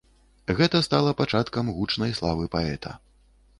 Гэта стала пачаткам гучнай славы паэта.